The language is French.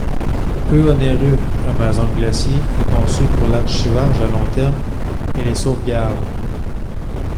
Peu onéreux, Amazon Glacier est conçu pour l'archivage à long terme et les sauvegardes.